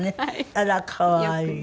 あら可愛い。